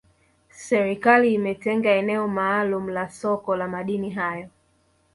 serikali imetenga eneo maalumu la soko la madini hayo